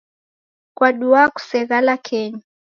Kwadua kuseghala kenyu?